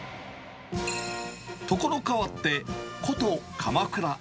所変わって、古都、鎌倉。